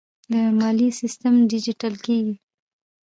د مالیې سیستم ډیجیټل کیږي